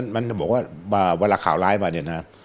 มันบอกว่าเวลาข่าวร้ายมาเนี่ยนะ